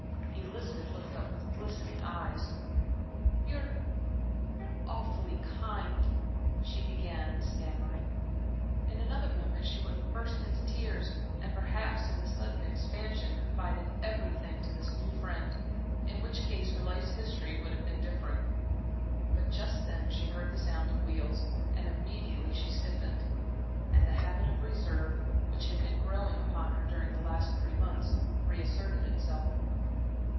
Elizabeth looked up with glistening eyes. "You're you're awfully kind," she began, stammering. In another moment she would have burst into tears, and perhaps, in the sudden expansion, confided everything to this new friend in which case her life's history would have been different. But just then she heard the sound of wheels, and immediately she stiffened and the habit of reserve, which had been growing upon her during the last three months, reasserted itself.